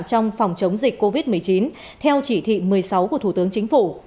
trong phòng chống dịch covid một mươi chín theo chỉ thị một mươi sáu của thủ tướng chính phủ